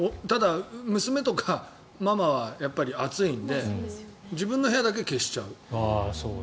娘とかママは暑いので自分の部屋だけ消しちゃう。